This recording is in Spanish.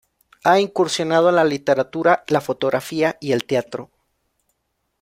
Ha incursionado en la literatura, la fotografía y el teatro.